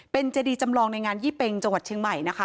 เป็นเจดีจำลองในงานยี่เป็งจังหวัดเชียงใหม่นะคะ